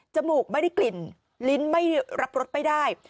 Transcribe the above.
มูกไม่ได้กลิ่นลิ้นไม่รับรสไม่ได้